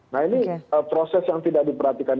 nah ini proses yang tidak diperhatikan